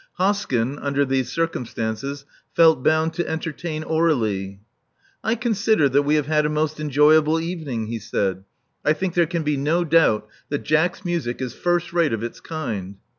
Hoskyn, under these circumstances, felt bound to entertain Aurdlie. "I consider that we have had a most enjoyable evening," he said. I think there can be no doubt that Jack's music is first rate of its kind."